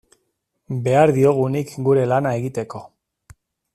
Behar diogunik gure lana egiteko.